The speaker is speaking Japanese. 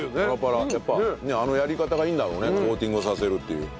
やっぱあのやり方がいいんだろうねコーティングさせるっていう。